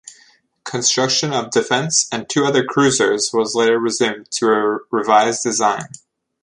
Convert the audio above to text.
Construction of "Defence" and two other cruisers was later resumed to a revised design.